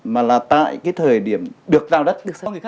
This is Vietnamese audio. mà là tại cái thời điểm được giao đất